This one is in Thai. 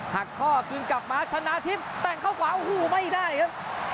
หักข้อคืนกลับมาชนะทิพย์แต่งเข้าขวาโอ้โหไม่ได้ครับ